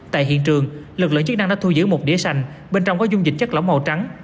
tại hiện trường lực lượng chức năng đã thu giữ một đĩa sành bên trong có dung dịch chất lỏng màu trắng